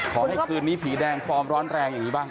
ขอให้คืนนี้ผีแดงคลอมร้อนแรงอย่างนี้บ้าง